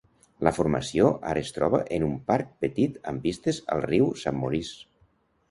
La formació ara es troba en un parc petit amb vistes al riu St-Maurice.